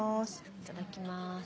いただきます。